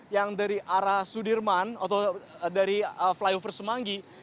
yang dari arah sudirman atau dari flyover semanggi